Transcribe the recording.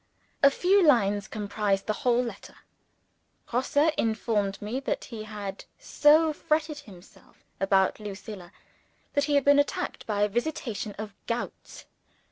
A few lines comprised the whole letter. Grosse informed me that he had so fretted himself about Lucilla, that he had been attacked by "a visitation of gouts."